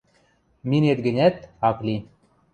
Минет гӹнят, ак ли.